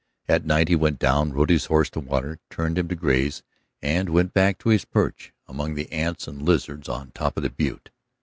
At night he went down, rode his horse to water, turned him to graze, and went back to his perch among the ants and lizards on top of the butte.